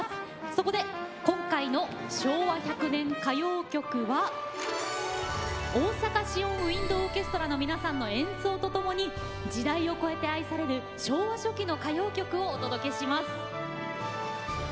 そこで、今回の「昭和１００年歌謡曲」はオオサカ・シオン・ウインド・オーケストの皆さんの演奏とともに時代を超えて愛される昭和初期の歌謡曲をお届けします。